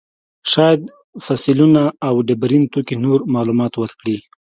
شاید فسیلونه او ډبرین توکي نور معلومات ورکړي.